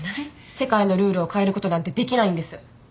世界のルールを変えることなんてできないんです。